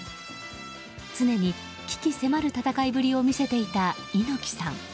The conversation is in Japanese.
常に、鬼気迫る戦いぶりを見せていた猪木さん。